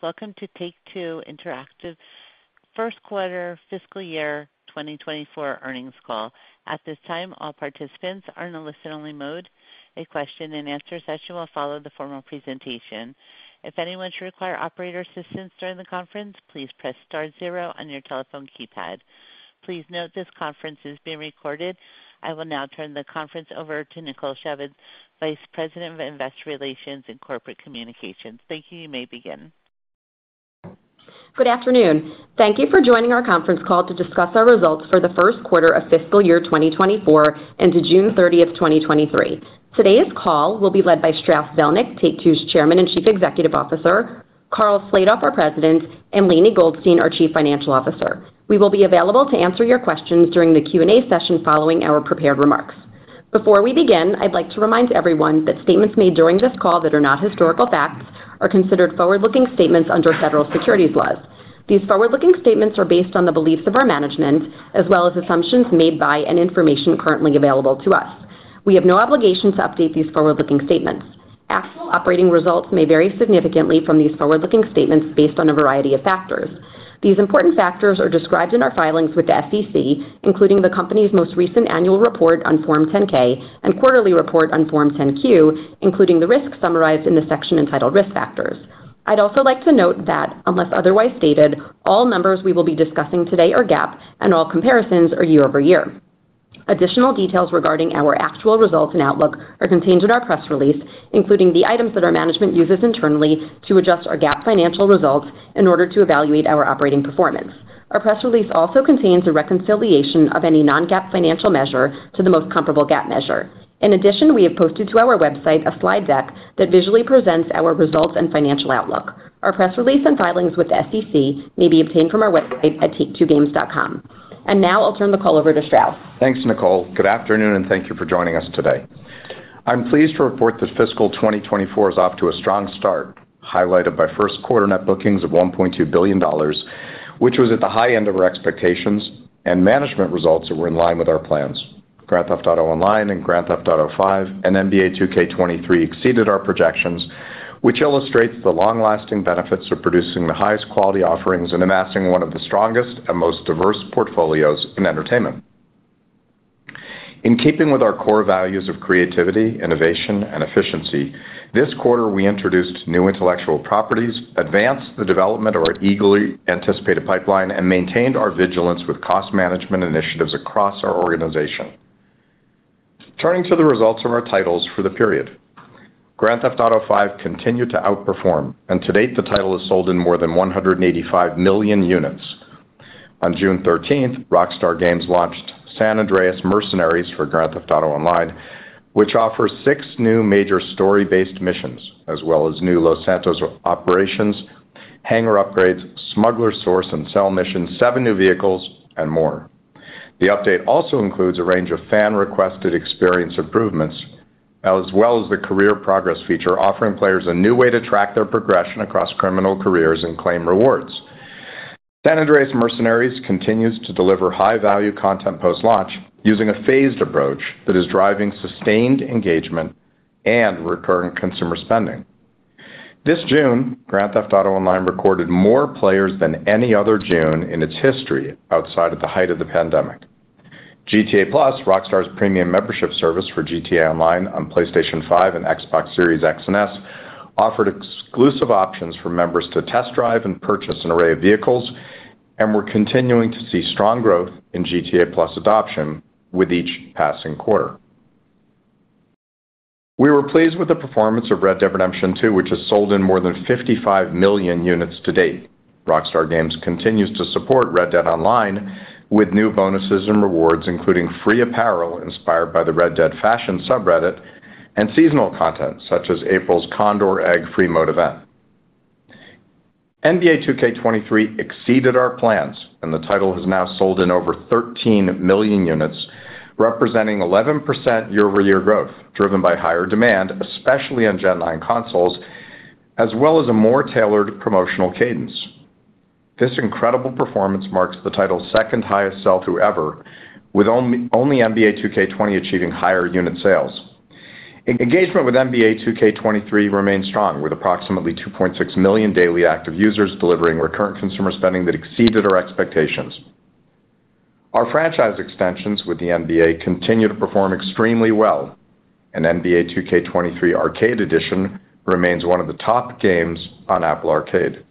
Welcome to Take-Two Interactive First Quarter Fiscal Year 2024 Earnings Call. At this time, all participants are in a listen-only mode. A question-and-answer session will follow the formal presentation. If anyone should require operator assistance during the conference, please press star zero on your telephone keypad. Please note this conference is being recorded. I will now turn the conference over to Nicole Shevins, Vice President of Investor Relations and Corporate Communications. Thank you. You may begin. Good afternoon. Thank you for joining our conference call to discuss our results for the first quarter of fiscal year 2024 ended June 30th, 2023. Today's call will be led by Strauss Zelnick, Take-Two's Chairman and Chief Executive Officer, Karl Slatoff, our President, and Lainie Goldstein, our Chief Financial Officer. We will be available to answer your questions during the Q&A session following our prepared remarks. Before we begin, I'd like to remind everyone that statements made during this call that are not historical facts are considered forward-looking statements under federal securities laws. These forward-looking statements are based on the beliefs of our management, as well as assumptions made by and information currently available to us. We have no obligation to update these forward-looking statements. Actual operating results may vary significantly from these forward-looking statements based on a variety of factors. These important factors are described in our filings with the SEC, including the company's most recent annual report on Form 10-K and quarterly report on Form 10-Q, including the risks summarized in the section entitled Risk Factors. I'd also like to note that, unless otherwise stated, all numbers we will be discussing today are GAAP, and all comparisons are year-over-year. Additional details regarding our actual results and outlook are contained in our press release, including the items that our management uses internally to adjust our GAAP financial results in order to evaluate our operating performance. Our press release also contains a reconciliation of any non-GAAP financial measure to the most comparable GAAP measure. In addition, we have posted to our website a slide deck that visually presents our results and financial outlook. Our press release and filings with the SEC may be obtained from our website at taketwogames.com. Now I'll turn the call over to Strauss. Thanks, Nicole. Good afternoon, thank you for joining us today. I'm pleased to report that fiscal 2024 is off to a strong start, highlighted by first quarter Net Bookings of $1.2 billion, which was at the high end of our expectations, and management results that were in line with our plans. Grand Theft Auto Online and Grand Theft Auto V and NBA 2K23 exceeded our projections, which illustrates the long-lasting benefits of producing the highest quality offerings and amassing one of the strongest and most diverse portfolios in entertainment. In keeping with our core values of creativity, innovation, and efficiency, this quarter, we introduced new intellectual properties, advanced the development of our eagerly anticipated pipeline, and maintained our vigilance with cost management initiatives across our organization. Turning to the results of our titles for the period. Grand Theft Auto V continued to outperform, and to date, the title has sold in more than 185 million units. On June 13th, Rockstar Games launched San Andreas Mercenaries for Grand Theft Auto Online, which offers six new major story-based missions, as well as new Los Santos operations, hangar upgrades, smuggler source and sell missions, seven new vehicles, and more. The update also includes a range of fan-requested experience improvements, as well as the career progress feature, offering players a new way to track their progression across criminal careers and claim rewards. San Andreas Mercenaries continues to deliver high-value content post-launch, using a phased approach that is driving sustained engagement and recurrent consumer spending. This June, Grand Theft Auto Online recorded more players than any other June in its history outside of the height of the pandemic. GTA+, Rockstar Games' premium membership service for Grand Theft Auto Online on PlayStation 5 and Xbox Series X|S, offered exclusive options for members to test, drive, and purchase an array of vehicles. We're continuing to see strong growth in GTA+ adoption with each passing quarter. We were pleased with the performance of Red Dead Redemption 2, which has sold in more than 55 million units to date. Rockstar Games continues to support Red Dead Online with new bonuses and rewards, including free apparel inspired by the Red Dead Fashion subreddit and seasonal content such as April's Condor Egg free mode event. NBA 2K23 exceeded our plans. The title has now sold in over 13 million units, representing 11% year-over-year growth, driven by higher demand, especially on Gen 9 consoles, as well as a more tailored promotional cadence. This incredible performance marks the title's second highest sell-through ever, with only NBA 2K20 achieving higher unit sales. Engagement with NBA 2K23 remains strong, with approximately 2.6 million daily active users, delivering recurrent consumer spending that exceeded our expectations. Our franchise extensions with the NBA continue to perform extremely well, and NBA 2K23 Arcade Edition remains one of the top games on Apple Arcade.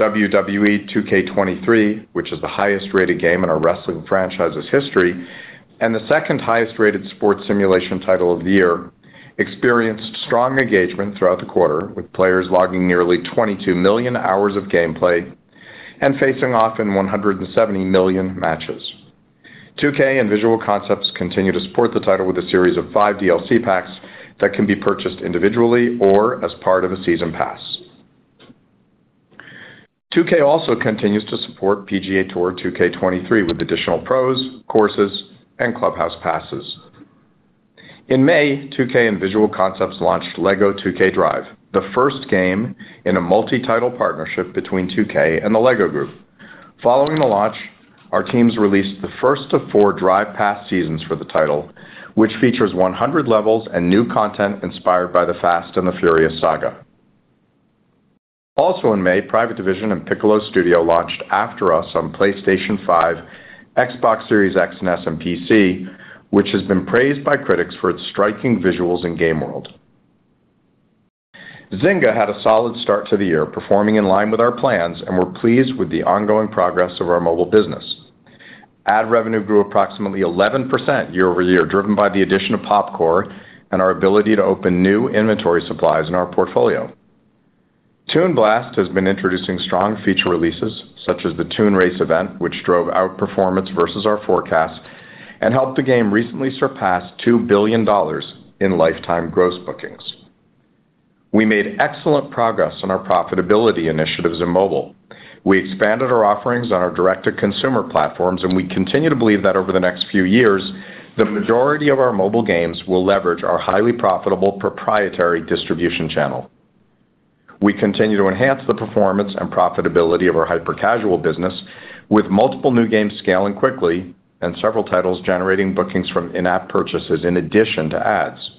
WWE 2K23, which is the highest-rated game in our wrestling franchise's history and the second-highest-rated sports simulation title of the year, experienced strong engagement throughout the quarter, with players logging nearly 22 million hours of gameplay and facing off in 170 million matches. 2K and Visual Concepts continue to support the title with a series of five DLC packs that can be purchased individually or as part of a season pass. 2K also continues to support PGA Tour 2K23 with additional pros, courses, and clubhouse passes. In May, 2K and Visual Concepts launched LEGO 2K Drive, the first game in a multi-title partnership between 2K and The LEGO Group. Following the launch-... Our teams released the first of four Drive Pass seasons for the title, which features 100 levels and new content inspired by The Fast and the Furious saga. Also in May, Private Division and Piccolo Studio launched After Us on PlayStation 5, Xbox Series X|S, and PC, which has been praised by critics for its striking visuals and game world. Zynga had a solid start to the year, performing in line with our plans, and we're pleased with the ongoing progress of our mobile business. Ad revenue grew approximately 11% year-over-year, driven by the addition of Popcore and our ability to open new inventory supplies in our portfolio. Toon Blast has been introducing strong feature releases, such as the Toon Race event, which drove outperformance versus our forecast and helped the game recently surpass $2 billion in lifetime gross bookings. We made excellent progress on our profitability initiatives in mobile. We expanded our offerings on our direct-to-consumer platforms, we continue to believe that over the next few years, the majority of our mobile games will leverage our highly profitable proprietary distribution channel. We continue to enhance the performance and profitability of our hyper-casual business, with multiple new games scaling quickly and several titles generating bookings from in-app purchases in addition to ads.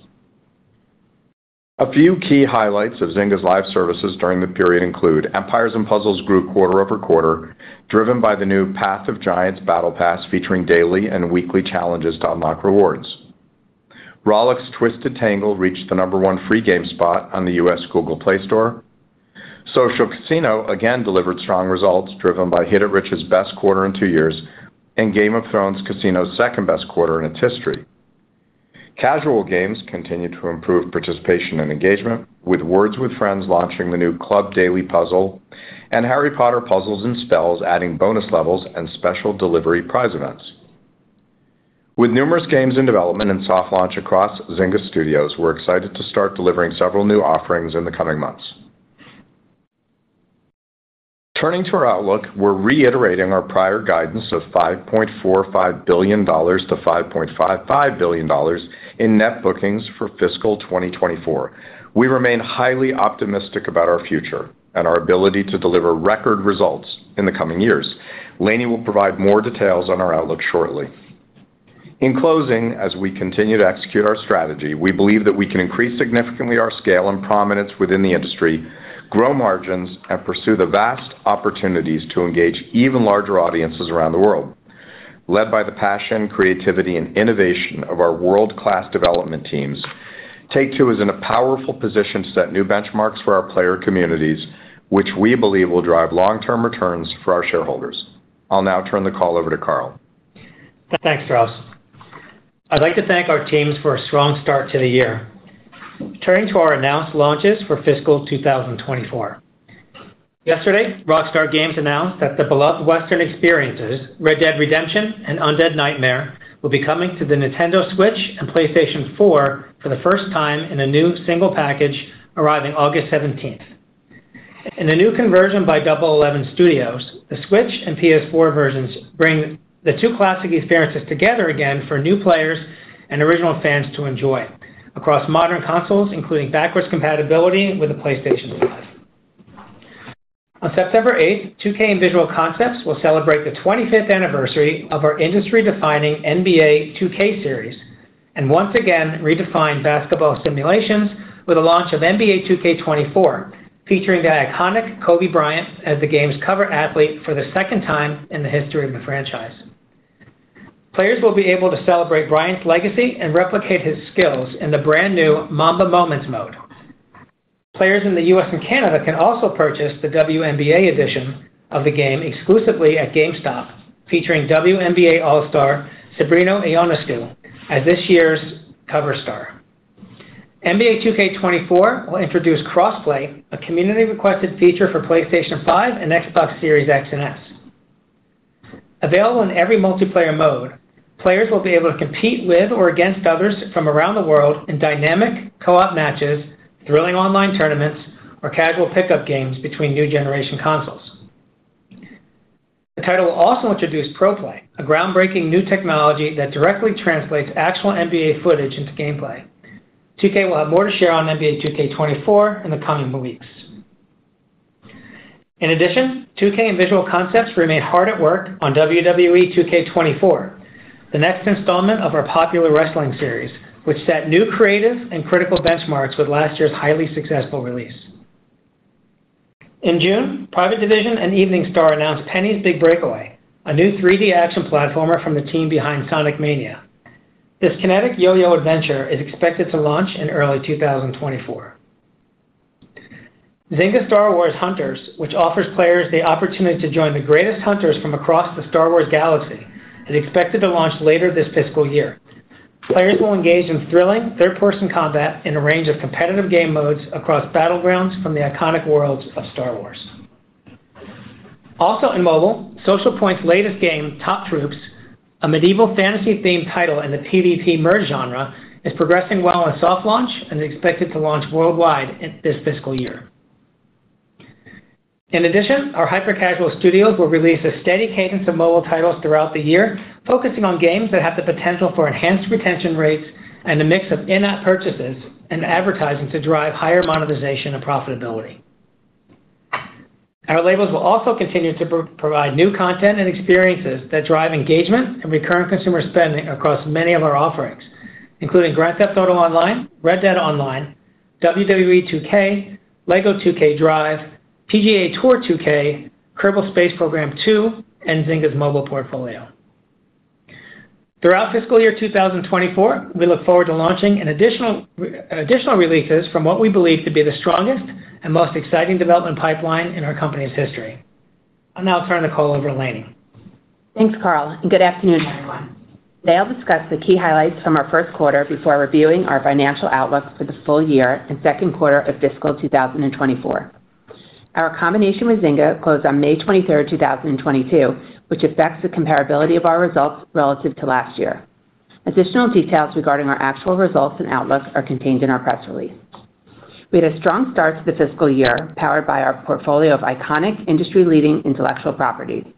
A few key highlights of Zynga's live services during the period include: Empires & Puzzles grew quarter-over-quarter, driven by the new Path of Giants Battle Pass, featuring daily and weekly challenges to unlock rewards. Rollic's Twisted Tangle reached the number one free game spot on the U.S. Google Play Store. social casino again delivered strong results, driven by Hit It Rich's best quarter in two years and Game of Thrones Casino's second-best quarter in its history. Casual games continued to improve participation and engagement, with Words with Friends launching the new Club Daily Puzzle and Harry Potter: Puzzles & Spells adding bonus levels and special delivery prize events. With numerous games in development and soft launch across Zynga Studios, we're excited to start delivering several new offerings in the coming months. Turning to our outlook, we're reiterating our prior guidance of $5.45 billion-$5.55 billion in Net Bookings for fiscal 2024. We remain highly optimistic about our future and our ability to deliver record results in the coming years. Lainie will provide more details on our outlook shortly. In closing, as we continue to execute our strategy, we believe that we can increase significantly our scale and prominence within the industry, grow margins, and pursue the vast opportunities to engage even larger audiences around the world. Led by the passion, creativity, and innovation of our world-class development teams, Take-Two is in a powerful position to set new benchmarks for our player communities, which we believe will drive long-term returns for our shareholders. I'll now turn the call over to Karl. Thanks, Strauss. I'd like to thank our teams for a strong start to the year. Turning to our announced launches for fiscal 2024. Yesterday, Rockstar Games announced that the beloved Western experiences, Red Dead Redemption and Undead Nightmare, will be coming to the Nintendo Switch and PlayStation 4 for the first time in a new single package, arriving August 17th. In a new conversion by Double Eleven Studios, the Switch and PS4 versions bring the two classic experiences together again for new players and original fans to enjoy across modern consoles, including backwards compatibility with the PlayStation 5. On September 8th, 2K and Visual Concepts will celebrate the 25th anniversary of our industry-defining NBA 2K series, once again, redefine basketball simulations with the launch of NBA 2K24, featuring the iconic Kobe Bryant as the game's cover athlete for the second time in the history of the franchise. Players will be able to celebrate Bryant's legacy and replicate his skills in the brand-new Mamba Moments mode. Players in the U.S. and Canada can also purchase the WNBA edition of the game exclusively at GameStop, featuring WNBA All-Star, Sabrina Ionescu, as this year's cover star. NBA 2K24 will introduce cross-play, a community-requested feature for PlayStation 5 and Xbox Series X|S. Available in every multiplayer mode, players will be able to compete with or against others from around the world in dynamic co-op matches, thrilling online tournaments, or casual pickup games between new generation consoles. The title will also introduce ProPLAY, a groundbreaking new technology that directly translates actual NBA footage into gameplay. 2K will have more to share on NBA 2K24 in the coming weeks. In addition, 2K and Visual Concepts remain hard at work on WWE 2K24, the next installment of our popular wrestling series, which set new creative and critical benchmarks with last year's highly successful release. In June, Private Division and Evening Star announced Penny's Big Breakaway, a new 3D action platformer from the team behind Sonic Mania. This kinetic yo-yo adventure is expected to launch in early 2024. Zynga Star Wars Hunters, which offers players the opportunity to join the greatest hunters from across the Star Wars galaxy, is expected to launch later this fiscal year. Players will engage in thrilling third-person combat in a range of competitive game modes across battlegrounds from the iconic worlds of Star Wars. In mobile, Socialpoint's latest game, Top Troops, a medieval fantasy-themed title in the PVP merge genre, is progressing well in soft launch and is expected to launch worldwide in this fiscal year. In addition, our hyper-casual studios will release a steady cadence of mobile titles throughout the year, focusing on games that have the potential for enhanced retention rates and a mix of in-app purchases and advertising to drive higher monetization and profitability. Our labels will also continue to provide new content and experiences that drive engagement and recurrent consumer spending across many of our offerings, including Grand Theft Auto Online, Red Dead Online, WWE 2K, LEGO 2K Drive, PGA TOUR 2K, Kerbal Space Program 2, and Zynga's mobile portfolio. Throughout fiscal year 2024, we look forward to launching an additional additional releases from what we believe to be the strongest and most exciting development pipeline in our company's history. I'll now turn the call over to. Lainie Thanks, Karl. Good afternoon, everyone. Today, I'll discuss the key highlights from our first quarter before reviewing our financial outlook for the full year and second quarter of fiscal 2024. Our combination with Zynga closed on May 23, 2022, which affects the comparability of our results relative to last year. Additional details regarding our actual results and outlook are contained in our press release. We had a strong start to the fiscal year, powered by our portfolio of iconic, industry-leading intellectual property.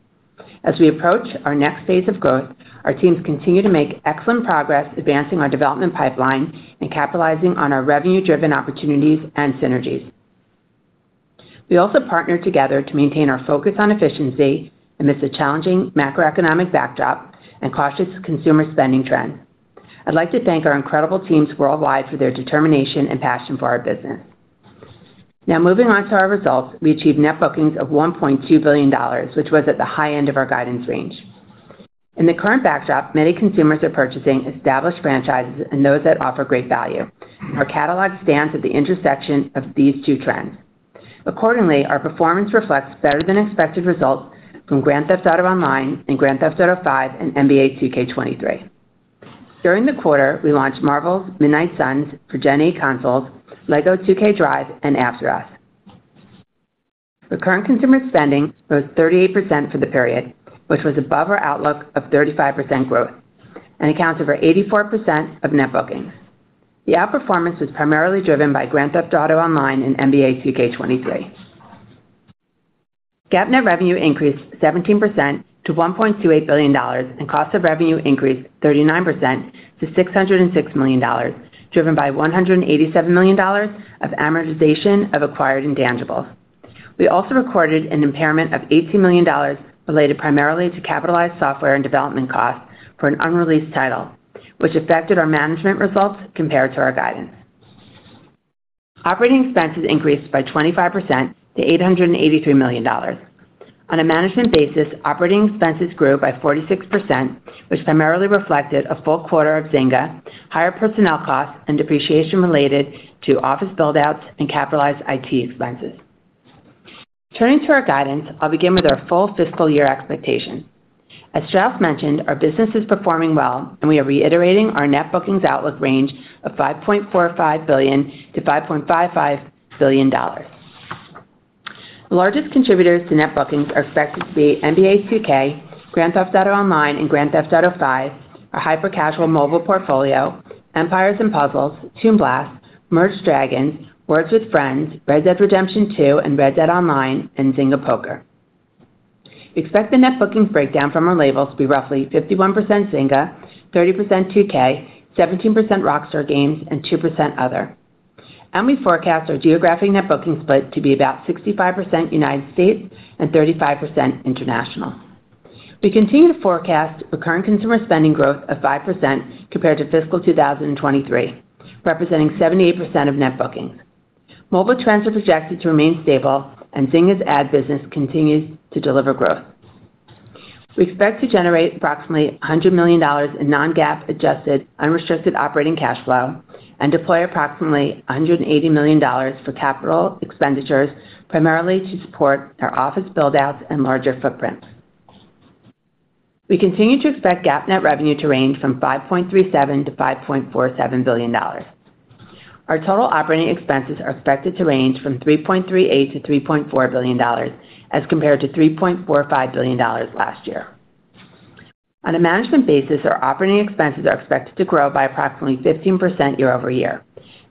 As we approach our next phase of growth, our teams continue to make excellent progress advancing our development pipeline and capitalizing on our revenue-driven opportunities and synergies. We also partnered together to maintain our focus on efficiency amidst a challenging macroeconomic backdrop and cautious consumer spending trends. I'd like to thank our incredible teams worldwide for their determination and passion for our business. Now, moving on to our results, we achieved Net Bookings of $1.2 billion, which was at the high end of our guidance range. In the current backdrop, many consumers are purchasing established franchises and those that offer great value. Our catalog stands at the intersection of these two trends. Accordingly, our performance reflects better-than-expected results from Grand Theft Auto Online and Grand Theft Auto V and NBA 2K23. During the quarter, we launched Marvel's Midnight Suns for Gen 8 consoles, LEGO 2K Drive, and After Us. Recurrent consumer spending grew 38% for the period, which was above our outlook of 35% growth and accounted for 84% of Net Bookings. The outperformance was primarily driven by Grand Theft Auto Online and NBA 2K23. GAAP net revenue increased 17% to $1.28 billion, and cost of revenue increased 39% to $606 million, driven by $187 million of amortization of acquired intangibles. We also recorded an impairment of $18 million related primarily to capitalized software and development costs for an unreleased title, which affected our management results compared to our guidance. Operating expenses increased by 25% to $883 million. On a management basis, operating expenses grew by 46%, which primarily reflected a full quarter of Zynga, higher personnel costs, and depreciation related to office build-outs and capitalized IT expenses. Turning to our guidance, I'll begin with our full fiscal year expectations. As Strauss mentioned, our business is performing well, we are reiterating our Net Bookings outlook range of $5.45 billion-$5.55 billion. The largest contributors to Net Bookings are expected to be NBA 2K, Grand Theft Auto Online, and Grand Theft Auto V, our hyper-casual mobile portfolio, Empires & Puzzles, Toon Blast, Merge Dragons!, Words with Friends, Red Dead Redemption 2 and Red Dead Online, and Zynga Poker. We expect the Net Bookings breakdown from our labels to be roughly 51% Zynga, 30% 2K, 17% Rockstar Games, and 2% other. We forecast our geographic Net Bookings split to be about 65% United States and 35% international. We continue to forecast recurrent consumer spending growth of 5% compared to fiscal 2023, representing 78% of Net Bookings. Mobile trends are projected to remain stable, and Zynga's ad business continues to deliver growth. We expect to generate approximately $100 million in non-GAAP adjusted unrestricted operating cash flow and deploy approximately $180 million for capital expenditures, primarily to support our office build-outs and larger footprint. We continue to expect GAAP net revenue to range from $5.37 billion-$5.47 billion. Our total operating expenses are expected to range from $3.38 billion-$3.4 billion, as compared to $3.45 billion last year. On a management basis, our operating expenses are expected to grow by approximately 15% year-over-year,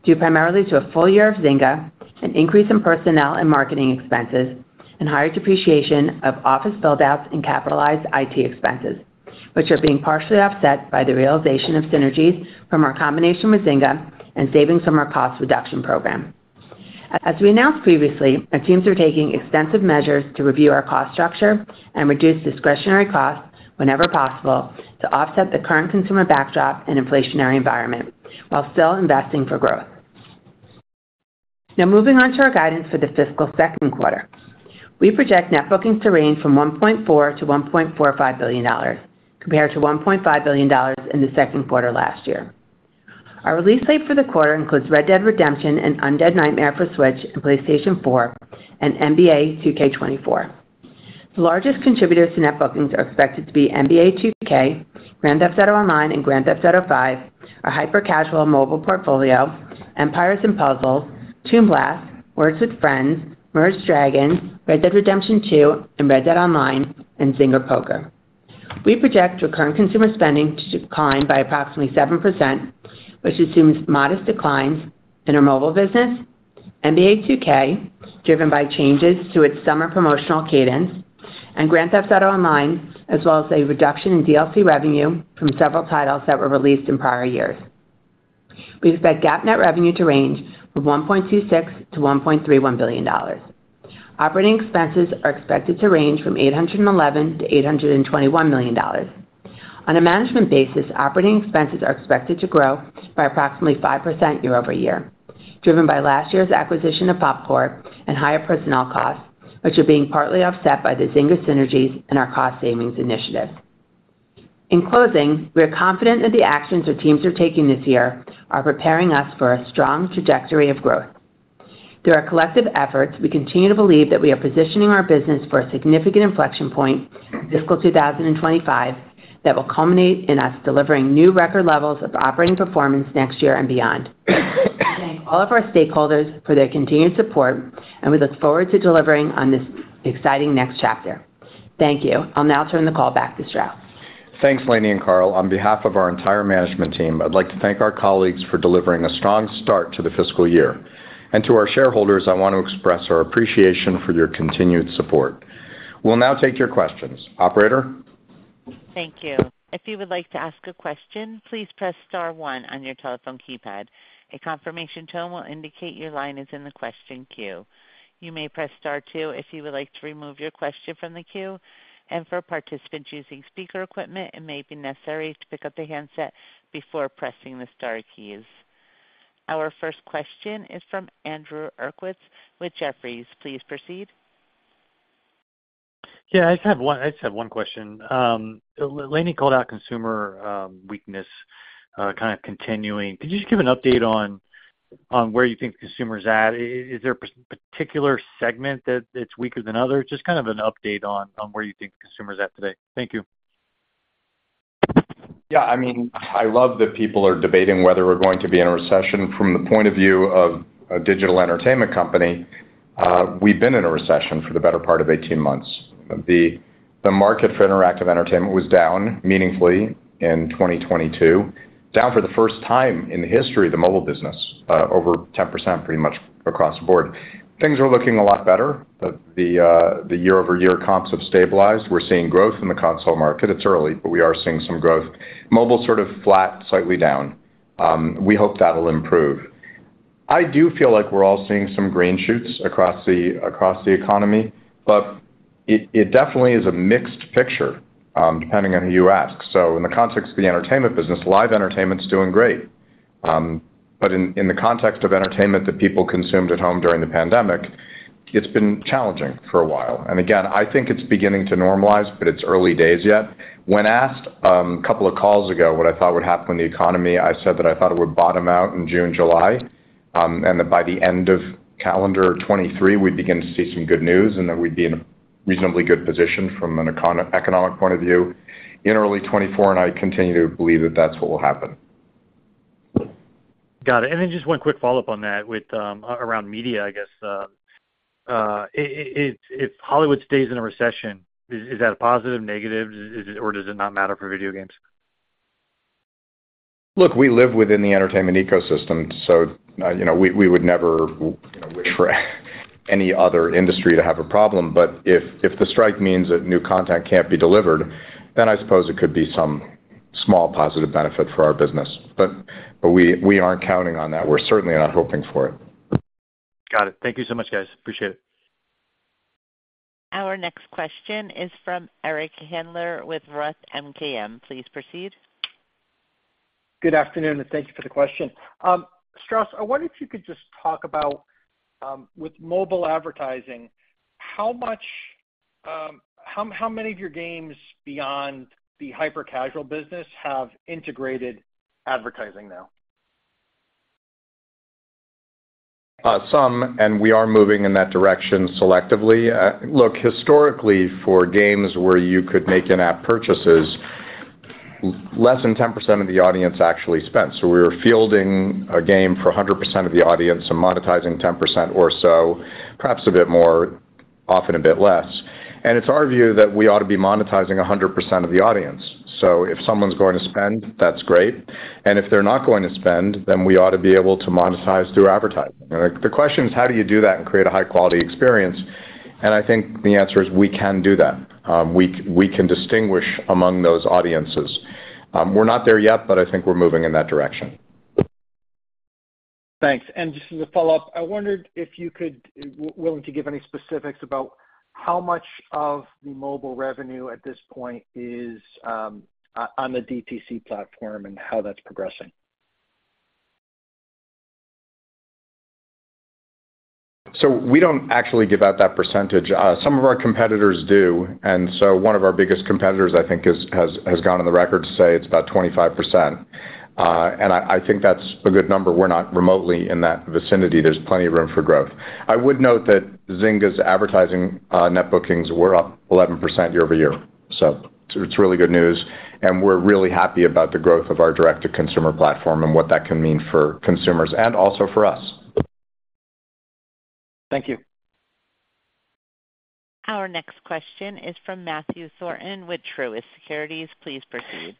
due primarily to a full year of Zynga, an increase in personnel and marketing expenses, and higher depreciation of office build-outs and capitalized IT expenses, which are being partially offset by the realization of synergies from our combination with Zynga and savings from our cost reduction program. As we announced previously, our teams are taking extensive measures to review our cost structure and reduce discretionary costs whenever possible to offset the current consumer backdrop and inflationary environment while still investing for growth. Now, moving on to our guidance for the fiscal second quarter. We project Net Bookings to range from $1.4 billion-$1.45 billion, compared to $1.5 billion in the second quarter last year. Our release slate for the quarter includes Red Dead Redemption and Undead Nightmare for Switch and PlayStation 4 and NBA 2K24. The largest contributors to Net Bookings are expected to be NBA 2K, Grand Theft Auto Online, and Grand Theft Auto V, our hyper-casual mobile portfolio, Empires & Puzzles, Toon Blast, Words with Friends, Merge Dragons, Red Dead Redemption 2, and Red Dead Online, and Zynga Poker. We project recurrent consumer spending to decline by approximately 7%, which assumes modest declines in our mobile business, NBA 2K, driven by changes to its summer promotional cadence, and Grand Theft Auto Online, as well as a reduction in DLC revenue from several titles that were released in prior years. We expect GAAP net revenue to range from $1.26 billion-$1.31 billion. Operating expenses are expected to range from $811 million-$821 million. On a management basis, operating expenses are expected to grow by approximately 5% year-over-year, driven by last year's acquisition of Popcore and higher personnel costs, which are being partly offset by the Zynga synergies and our cost savings initiatives. In closing, we are confident that the actions our teams are taking this year are preparing us for a strong trajectory of growth. Through our collective efforts, we continue to believe that we are positioning our business for a significant inflection point in fiscal 2025, that will culminate in us delivering new record levels of operating performance next year and beyond. We thank all of our stakeholders for their continued support, and we look forward to delivering on this exciting next chapter. Thank you. I'll now turn the call back to Strauss. Thanks, Lainie and Karl. On behalf of our entire management team, I'd like to thank our colleagues for delivering a strong start to the fiscal year. To our shareholders, I want to express our appreciation for your continued support. We'll now take your questions. Operator? Thank you. If you would like to ask a question, please press star one on your telephone keypad. A confirmation tone will indicate your line is in the question queue. You may press Star two if you would like to remove your question from the queue, and for participants using speaker equipment, it may be necessary to pick up the handset before pressing the star keys. Our first question is from Andrew Uerkwitz with Jefferies. Please proceed. Yeah, I just have one question. Lainie called out consumer weakness, kind of continuing. Could you just give an update on where you think the consumer is at? Is there a particular segment that it's weaker than others? Just kind of an update on where you think the consumer is at today. Thank you. Yeah, I mean, I love that people are debating whether we're going to be in a recession. From the point of view of a digital entertainment company, we've been in a recession for the better part of 18 months. The, the market for interactive entertainment was down meaningfully in 2022, down for the first time in the history of the mobile business, over 10%, pretty much across the board. Things are looking a lot better. The, the year-over-year comps have stabilized. We're seeing growth in the console market. It's early, we are seeing some growth. Mobile, sort of flat, slightly down. We hope that'll improve. I do feel like we're all seeing some green shoots across the, across the economy, it, it definitely is a mixed picture, depending on who you ask. In the context of the entertainment business, live entertainment is doing great. But in, in the context of entertainment that people consumed at home during the pandemic, it's been challenging for a while. Again, I think it's beginning to normalize, but it's early days yet. When asked, a couple of calls ago, what I thought would happen in the economy, I said that I thought it would bottom out in June, July, that by the end of calendar 2023, we'd begin to see some good news and that we'd be in a reasonably good position from an econo-economic point of view in early 2024, I continue to believe that that's what will happen. Got it. Just one quick follow-up on that with, around media, I guess. If Hollywood stays in a recession, is that a positive, negative, is it or does it not matter for video games? Look, we live within the entertainment ecosystem, so, you know, we, we would never wish for any other industry to have a problem. If, if the strike means that new content can't be delivered, then I suppose it could be some small positive benefit for our business. We, we aren't counting on that. We're certainly not hoping for it. Got it. Thank you so much, guys. Appreciate it. Our next question is from Eric Handler with Roth MKM. Please proceed. Good afternoon, and thank you for the question. Strauss, I wonder if you could just talk about, with mobile advertising, how much, how, how many of your games beyond the hyper-casual business have integrated advertising now? Some, we are moving in that direction selectively. Look, historically, for games where you could make in-app purchases, less than 10% of the audience actually spent. We were fielding a game for 100% of the audience and monetizing 10% or so, perhaps a bit more, often a bit less. It's our view that we ought to be monetizing 100% of the audience. If someone's going to spend, that's great, and if they're not going to spend, then we ought to be able to monetize through advertising. The question is: How do you do that and create a high-quality experience? I think the answer is we can do that. We, we can distinguish among those audiences. We're not there yet, but I think we're moving in that direction. Thanks. Just as a follow-up, I wondered if you could willing to give any specifics about how much of the mobile revenue at this point is on the DTC platform and how that's progressing? We don't actually give out that percentage. Some of our competitors do, one of our biggest competitors, I think, has gone on the record to say it's about 25%. I think that's a good number. We're not remotely in that vicinity. There's plenty of room for growth. I would note that Zynga's advertising Net Bookings were up 11% year-over-year, it's really good news, we're really happy about the growth of our direct-to-consumer platform and what that can mean for consumers and also for us. Thank you. Our next question is from Matthew Thornton with Truist Securities. Please proceed.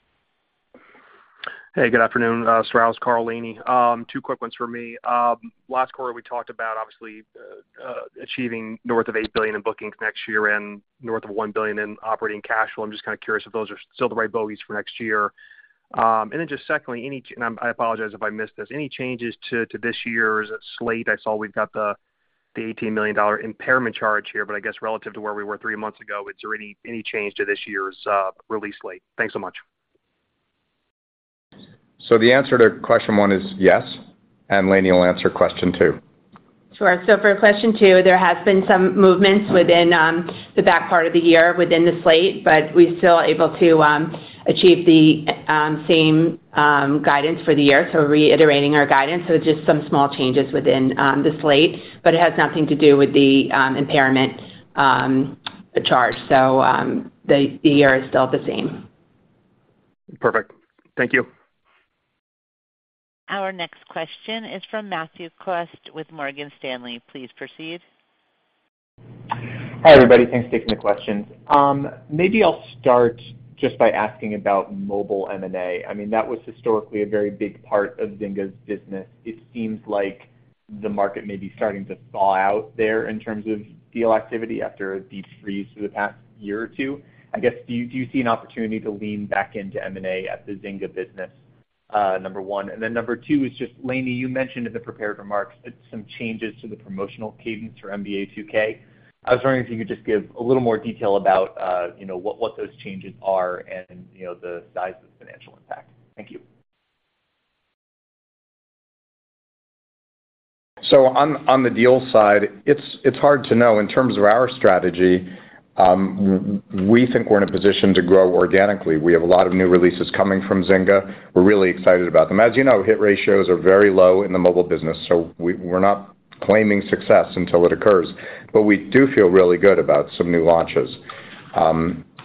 Hey, good afternoon, Strauss, Karl, Lainie. Two quick ones for me. Last quarter, we talked about obviously, achieving north of $8 billion in bookings next year and north of $1 billion in operating cash flow. I'm just kind of curious if those are still the right bogeys for next year. Just secondly, I, I apologize if I missed this. Any changes to this year's slate? I saw we've got.... the $18 million impairment charge here, but I guess relative to where we were three months ago, is there any change to this year's release slate? Thanks so much. The answer to question one is yes, and Lainie will answer question two. Sure. For question two, there has been some movements within the back part of the year within the slate, but we're still able to achieve the same guidance for the year. Reiterating our guidance, so just some small changes within the slate, but it has nothing to do with the impairment charge. The year is still the same. Perfect. Thank you. Our next question is from Matthew Cost with Morgan Stanley. Please proceed. Hi, everybody. Thanks for taking the questions. Maybe I'll start just by asking about mobile M&A. I mean, that was historically a very big part of Zynga's business. It seems like the market may be starting to thaw out there in terms of deal activity after a deep freeze for the past year or two. Do you, do you see an opportunity to lean back into M&A at the Zynga business, number one? Number two is, Lainie, you mentioned in the prepared remarks some changes to the promotional cadence for NBA 2K. I was wondering if you could just give a little more detail about, you know, what those changes are and, you know, the size of the financial impact. Thank you. On, on the deal side, it's, it's hard to know. In terms of our strategy, we think we're in a position to grow organically. We have a lot of new releases coming from Zynga. We're really excited about them. As you know, hit ratios are very low in the mobile business, so we're not claiming success until it occurs. But we do feel really good about some new launches.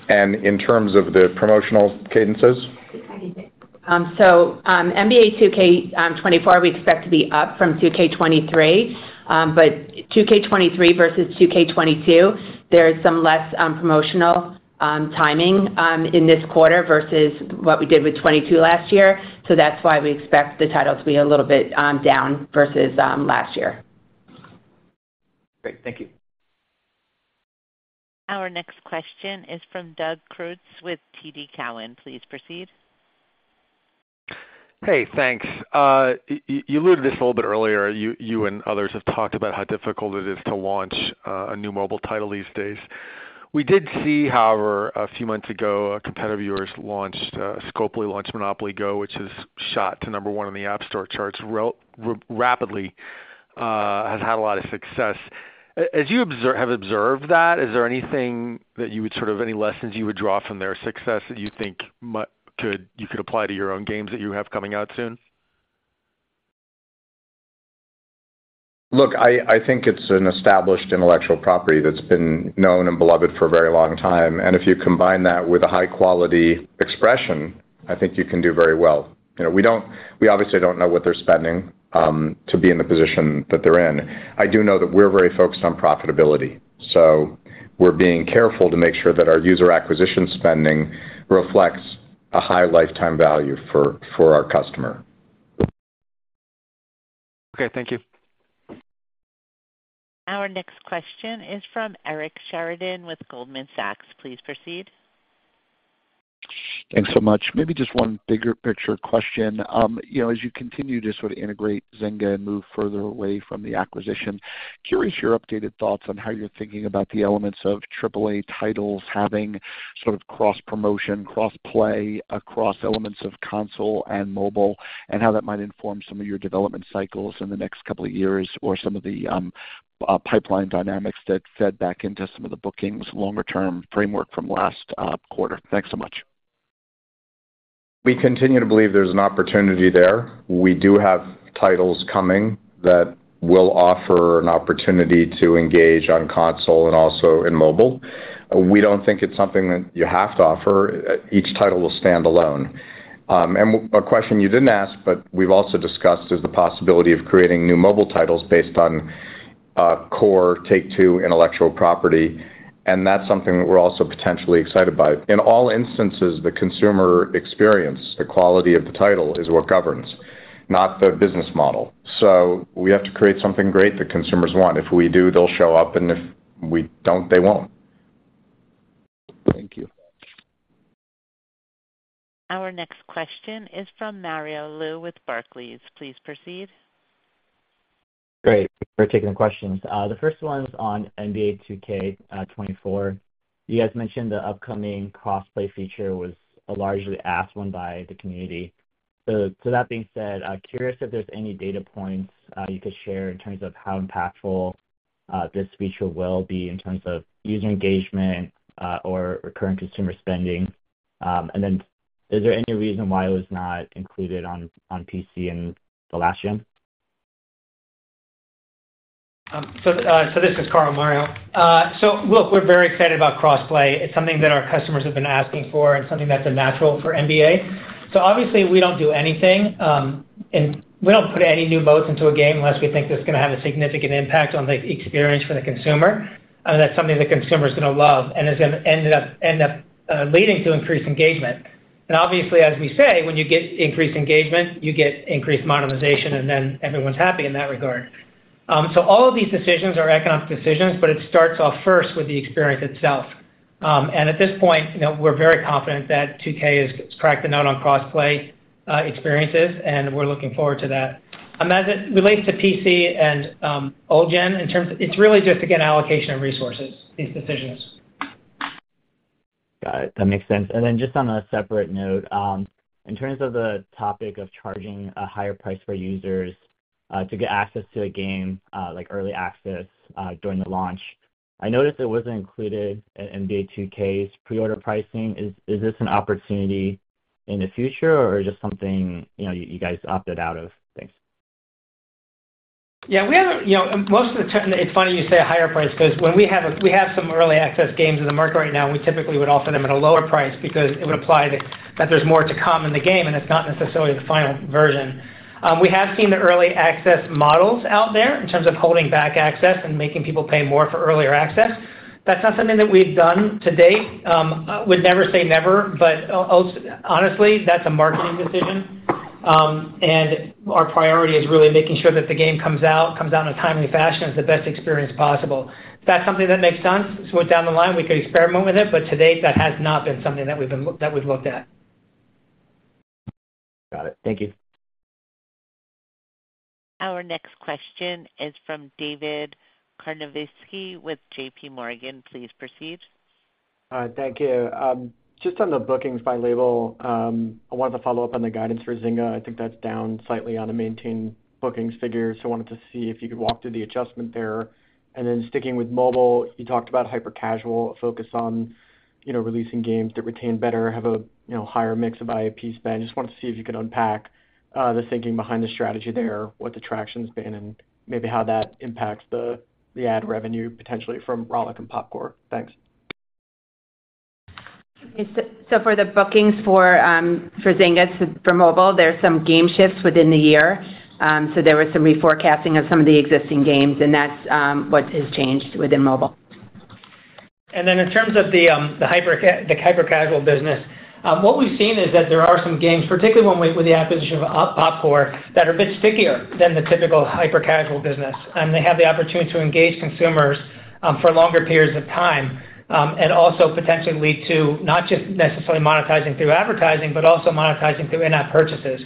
And in terms of the promotional cadences? NBA 2K24, we expect to be up from 2K23. 2K23 versus 2K22, there is some less promotional timing in this quarter versus what we did with 2K22 last year. That's why we expect the title to be a little bit down versus last year. Great. Thank you. Our next question is from Doug Creutz with TD Cowen. Please proceed. Hey, thanks. You alluded this a little bit earlier. You, you and others have talked about how difficult it is to launch a new mobile title these days. We did see, however, a few months ago, a competitor of yours launched, Scopely launched MONOPOLY GO!, which has shot to number one on the App Store charts rapidly, has had a lot of success. As you have observed that, is there anything that you would any lessons you would draw from their success that you think you could apply to your own games that you have coming out soon? Look, I, I think it's an established intellectual property that's been known and beloved for a very long time, and if you combine that with a high-quality expression, I think you can do very well. You know, we obviously don't know what they're spending, to be in the position that they're in. I do know that we're very focused on profitability, so we're being careful to make sure that our user acquisition spending reflects a high lifetime value for, for our customer. Okay, thank you. Our next question is from Eric Sheridan with Goldman Sachs. Please proceed. Thanks so much. Maybe just one bigger picture question. You know, as you continue to sort of integrate Zynga and move further away from the acquisition, curious your updated thoughts on how you're thinking about the elements of AAA titles having sort of cross promotion, cross-play across elements of console and mobile, and how that might inform some of your development cycles in the next couple of years, or some of the pipeline dynamics that fed back into some of the bookings, longer-term framework from last quarter? Thanks so much. We continue to believe there's an opportunity there. We do have titles coming that will offer an opportunity to engage on console and also in mobile. We don't think it's something that you have to offer. Each title will stand alone. A question you didn't ask, but we've also discussed, is the possibility of creating new mobile titles based on core Take-Two intellectual property, and that's something that we're also potentially excited by. In all instances, the consumer experience, the quality of the title is what governs, not the business model. We have to create something great that consumers want. If we do, they'll show up, and if we don't, they won't. Thank you. Our next question is from Mario Lu with Barclays. Please proceed. Great, thanks for taking the questions. The first one is on NBA 2K24. You guys mentioned the upcoming cross-play feature was a largely asked one by the community. That being said, I'm curious if there's any data points you could share in terms of how impactful this feature will be in terms of user engagement or recurring consumer spending. Then is there any reason why it was not included on PC in the last game? This is Karl, Mario. Look, we're very excited about cross-play. It's something that our customers have been asking for and something that's natural for NBA. Obviously, we don't do anything, and we don't put any new modes into a game unless we think it's gonna have a significant impact on the experience for the consumer, and that's something the consumer is gonna love and is gonna end up leading to increased engagement. Obviously, as we say, when you get increased engagement, you get increased monetization, and then everyone's happy in that regard. All of these decisions are economic decisions, but it starts off first with the experience itself. At this point, you know, we're very confident that 2K has cracked the note on cross-play experiences, and we're looking forward to that. As it relates to PC and old gen, it's really just, again, allocation of resources, these decisions. Got it. That makes sense. Just on a separate note, in terms of the topic of charging a higher price for users, to get access to a game, like early access, during the launch, I noticed it wasn't included in NBA 2K's pre-order pricing. Is this an opportunity in the future or just something, you know, you guys opted out of? Thanks. Yeah, we haven't, you know, most of the time. It's funny you say a higher price, because when we have we have some early access games in the market right now, we typically would offer them at a lower price because it would imply that, that there's more to come in the game, and it's not necessarily the final version. We have seen the early access models out there in terms of holding back access and making people pay more for earlier access. That's not something that we've done to date. I would never say never, but honestly, that's a marketing decision. Our priority is really making sure that the game comes out, comes out in a timely fashion, with the best experience possible. If that's something that makes sense, down the line, we could experiment with it, but to date, that has not been something that we've looked at. Got it. Thank you. Our next question is from David Karnovsky with JPMorgan. Please proceed. Hi, thank you. Just on the bookings by label, I wanted to follow up on the guidance for Zynga. I think that's down slightly on the maintained bookings figures, so I wanted to see if you could walk through the adjustment there. Sticking with mobile, you talked about hyper-casual, a focus on, you know, releasing games that retain better, have a, you know, higher mix of IAP spend. Just wanted to see if you could unpack the thinking behind the strategy there, what the traction's been, and maybe how that impacts the ad revenue potentially from Rollic and Popcore. Thanks. For the bookings for Zynga, so for mobile, there's some game shifts within the year. So there was some reforecasting of some of the existing games, and that's what has changed within mobile. In terms of the hyper-casual business, what we've seen is that there are some games, particularly with the acquisition of Popcore, that are a bit stickier than the typical hyper-casual business, and they have the opportunity to engage consumers for longer periods of time, and also potentially lead to not just necessarily monetizing through advertising, but also monetizing through in-app purchases.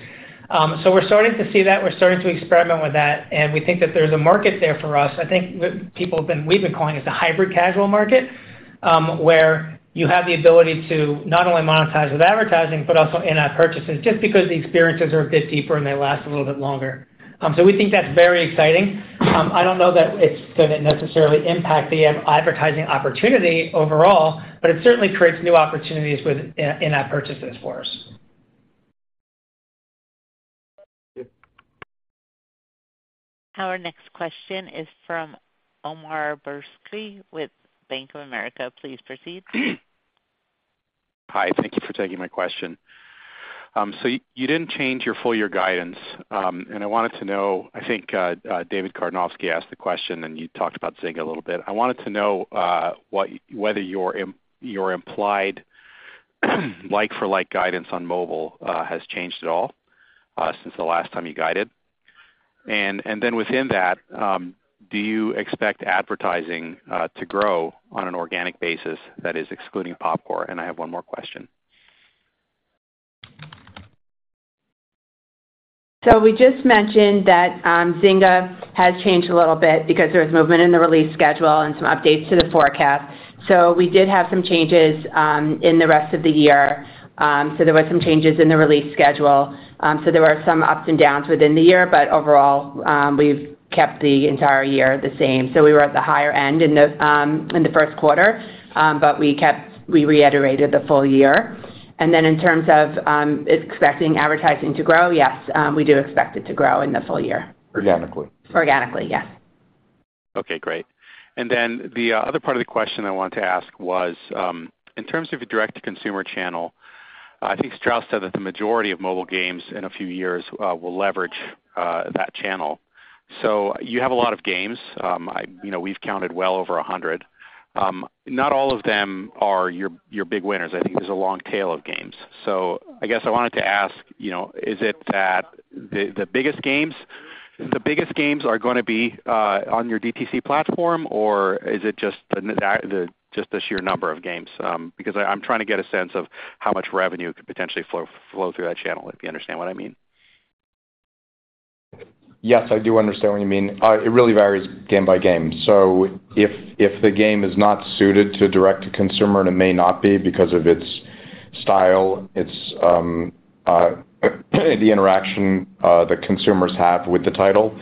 We're starting to see that. We're starting to experiment with that, and we think that there's a market there for us. I think we've been calling it the hybrid-casual market, where you have the ability to not only monetize with advertising, but also in-app purchases, just because the experiences are a bit deeper and they last a little bit longer. We think that's very exciting. I don't know that it's going to necessarily impact the advertising opportunity overall, but it certainly creates new opportunities with in, in-app purchases for us. Thank you. Our next question is from Omar Dessouky with Bank of America. Please proceed. Hi, thank you for taking my question. You didn't change your full year guidance, and I wanted to know, I think, David Karnovsky asked the question, and you talked about Zynga a little bit. I wanted to know, whether your implied, like-for-like guidance on mobile, has changed at all, since the last time you guided? Then within that, do you expect advertising to grow on an organic basis that is excluding Popcore? I have one more question. We just mentioned that Zynga has changed a little bit because there was movement in the release schedule and some updates to the forecast. We did have some changes in the rest of the year. There were some changes in the release schedule. There were some ups and downs within the year, but overall, we've kept the entire year the same. We were at the higher end in the first quarter, but we reiterated the full year. In terms of expecting advertising to grow, yes, we do expect it to grow in the full year. Organically. Organically, yes. Okay, great. Then the other part of the question I wanted to ask was, in terms of the direct-to-consumer channel, I think Strauss said that the majority of mobile games in a few years, will leverage that channel. You have a lot of games. I, you know, we've counted well over 100. Not all of them are your, your big winners. I think there's a long tail of games. I guess I wanted to ask, you know, is it that the, the biggest games, the biggest games are gonna be, on your DTC platform, or is it just the sheer number of games? I, I'm trying to get a sense of how much revenue could potentially flow, flow through that channel, if you understand what I mean. Yes, I do understand what you mean. It really varies game by game. If, if the game is not suited to direct-to-consumer, and it may not be because of its style, its, the interaction, the consumers have with the title,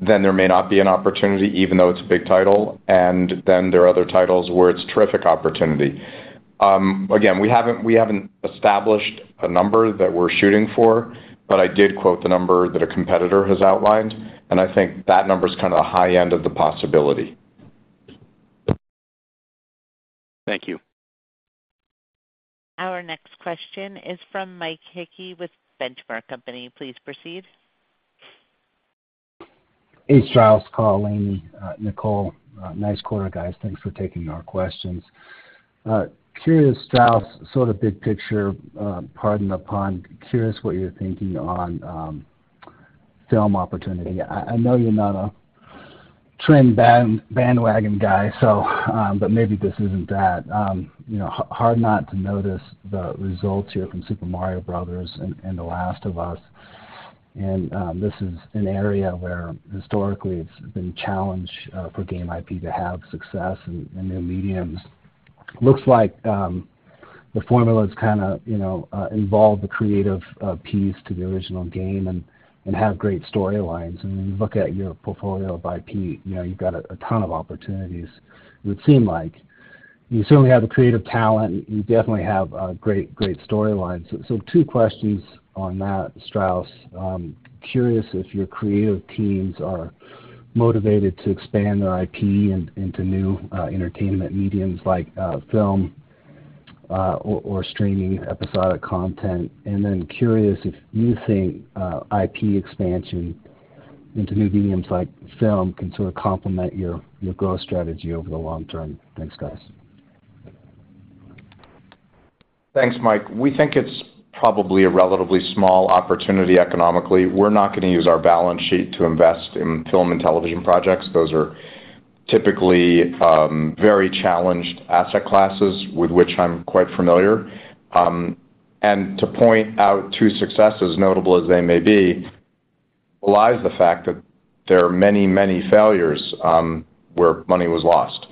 then there may not be an opportunity, even though it's a big title. Then there are other titles where it's terrific opportunity. Again, we haven't, we haven't established a number that we're shooting for, but I did quote the number that a competitor has outlined, and I think that number is kind of the high end of the possibility. Thank you. Our next question is from Mike Hickey with The Benchmark Company. Please proceed. Hey, Strauss, Karl, Nicole. Nice quarter, guys. Thanks for taking our questions. Curious, Strauss, sort of big picture, pardon the pun, curious what you're thinking on.... film opportunity. I, I know you're not a trend band, bandwagon guy, so, maybe this isn't that. You know, hard not to notice the results here from The Super Mario Bros. Movie and The Last of Us. This is an area where historically it's been a challenge for game IP to have success in new mediums. Looks like the formula is kinda, you know, involve the creative piece to the original game and have great storylines. When you look at your portfolio of IP, you know, you've got a ton of opportunities, it would seem like. You certainly have the creative talent, you definitely have a great, great storyline. So, two questions on that, Strauss. Curious if your creative teams are motivated to expand their IP into, into new entertainment mediums like film, or streaming episodic content. Curious if you think IP expansion into new mediums like film, can sort of complement your growth strategy over the long term. Thanks, guys. Thanks, Mike. We think it's probably a relatively small opportunity economically. We're not gonna use our balance sheet to invest in film and television projects. Those are typically, very challenged asset classes, with which I'm quite familiar. To point out two successes, notable as they may be, belies the fact that there are many, many failures, where money was lost.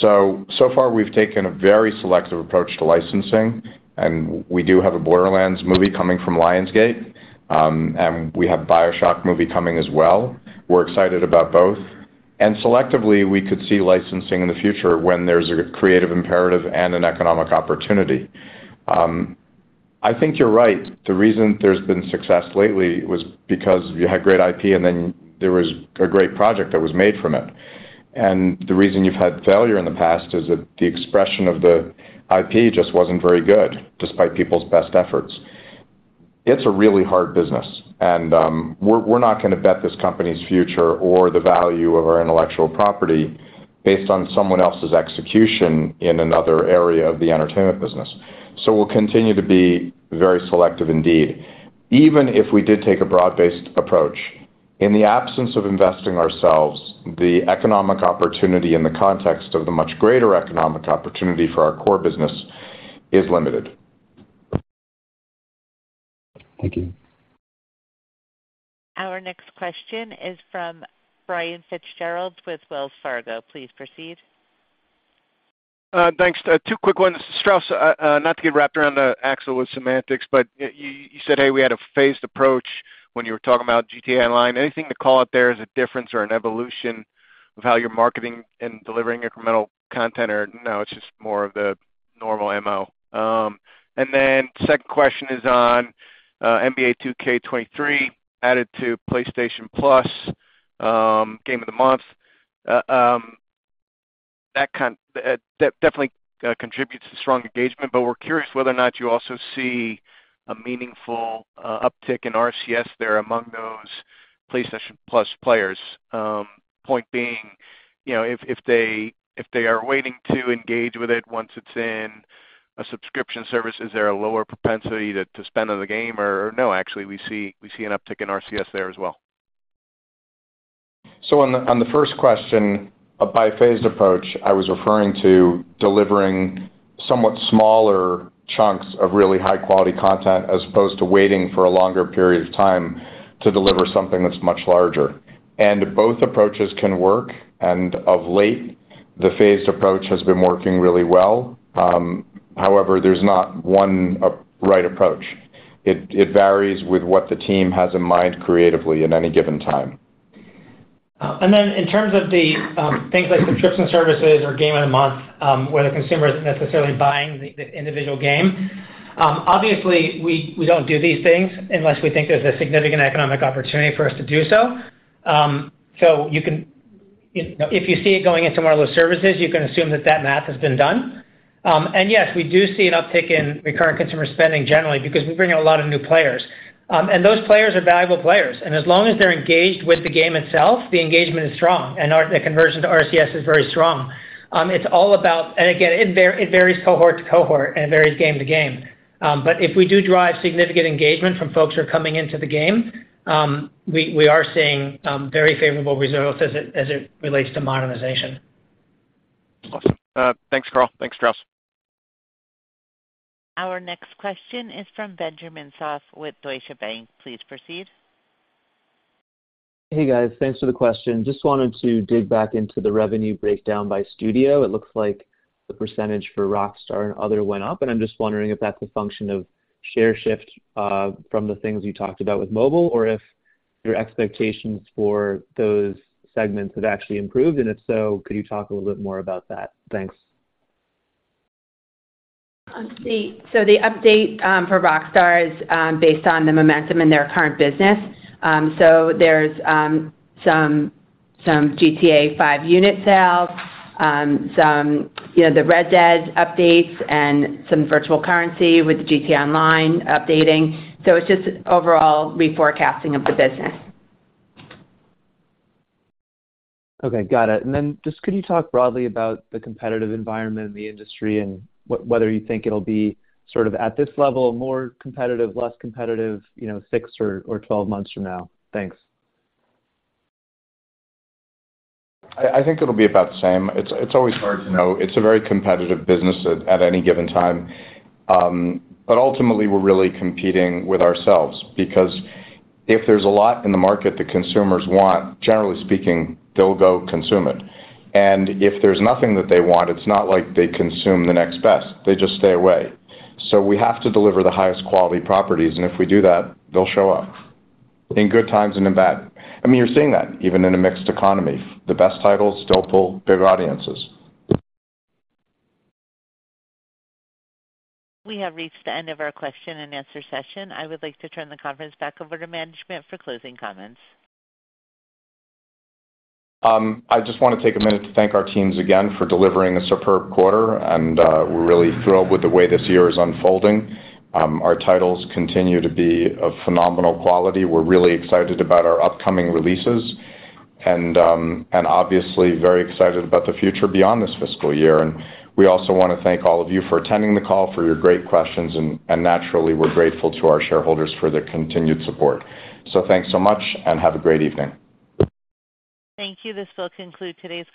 So far, we've taken a very selective approach to licensing, and we do have a Borderlands movie coming from Lionsgate, and we have BioShock movie coming as well. We're excited about both. Selectively, we could see licensing in the future when there's a creative imperative and an economic opportunity. I think you're right. The reason there's been success lately was because you had great IP, and then there was a great project that was made from it. The reason you've had failure in the past is that the expression of the IP just wasn't very good, despite people's best efforts. It's a really hard business, and we're, we're not gonna bet this company's future or the value of our intellectual property based on someone else's execution in another area of the entertainment business. We'll continue to be very selective indeed. Even if we did take a broad-based approach, in the absence of investing ourselves, the economic opportunity in the context of the much greater economic opportunity for our core business is limited. Thank you. Our next question is from Brian Fitzgerald with Wells Fargo. Please proceed. Thanks. Two quick ones. Strauss, not to get wrapped around the axle with semantics, but you said, hey, we had a phased approach when you were talking about GTA Online. Anything to call out there as a difference or an evolution of how you're marketing and delivering incremental content, or no, it's just more of the normal MO? Second question is on NBA 2K23, added to PlayStation Plus, game of the month. That definitely contributes to strong engagement, but we're curious whether or not you also see a meaningful uptick in RCS there among those PlayStation Plus players. Point being, you know, if they are waiting to engage with it once it's in a subscription service, is there a lower propensity to spend on the game? No, actually, we see, we see an uptick in RCS there as well. On the, on the first question, by phased approach, I was referring to delivering somewhat smaller chunks of really high-quality content, as opposed to waiting for a longer period of time to deliver something that's much larger. Both approaches can work, and of late, the phased approach has been working really well. However, there's not one right approach. It, it varies with what the team has in mind creatively at any given time. In terms of the things like subscription services or game of the month, where the consumer isn't necessarily buying the individual game, obviously, we don't do these things unless we think there's a significant economic opportunity for us to do so. If, if you see it going into one of those services, you can assume that that math has been done. Yes, we do see an uptick in recurrent consumer spending generally, because we bring in a lot of new players. Those players are valuable players, and as long as they're engaged with the game itself, the engagement is strong, the conversion to RCS is very strong. It varies cohort to cohort and varies game to game. If we do drive significant engagement from folks who are coming into the game, we, we are seeing, very favorable results as it relates to monetization. Awesome. Thanks, Karl. Thanks, Strauss. Our next question is from Benjamin Soff with Deutsche Bank. Please proceed. Hey, guys. Thanks for the question. Just wanted to dig back into the revenue breakdown by studio. It looks like the percentage for Rockstar and other went up, and I'm just wondering if that's a function of share shift, from the things you talked about with mobile, or if your expectations for those segments have actually improved, and if so, could you talk a little bit more about that? Thanks. The update for Rockstar Games is based on the momentum in their current business. There's some GTA V unit sales, some, you know, the Red Dead updates and some virtual currency with the Grand Theft Auto Online updating. It's just overall reforecasting of the business. Okay, got it. Just could you talk broadly about the competitive environment in the industry and whether you think it'll be sort of at this level, more competitive, less competitive, you know, six or 12 months from now? Thanks. I think it'll be about the same. It's always hard to know. It's a very competitive business at any given time. Ultimately, we're really competing with ourselves because if there's a lot in the market that consumers want, generally speaking, they'll go consume it. If there's nothing that they want, it's not like they consume the next best, they just stay away. We have to deliver the highest quality properties, and if we do that, they'll show up in good times and in bad. I mean, you're seeing that even in a mixed economy, the best titles still pull big audiences. We have reached the end of our question and answer session. I would like to turn the conference back over to management for closing comments. I just want to take a minute to thank our teams again for delivering a superb quarter, and we're really thrilled with the way this year is unfolding. Our titles continue to be of phenomenal quality. We're really excited about our upcoming releases and, obviously, very excited about the future beyond this fiscal year. We also want to thank all of you for attending the call, for your great questions, and naturally, we're grateful to our shareholders for their continued support. Thanks so much and have a great evening. Thank you. This will conclude today's conference.